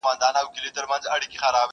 زاغ نيولي ځالګۍ دي د بلبلو!.